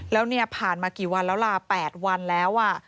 แล้วเนี่ยผ่านมากี่วันแล้วล่ะ๘วันแล้ว